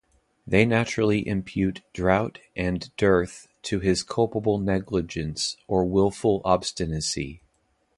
They naturally impute drought and dearth to his culpable negligence or willful obstinacy.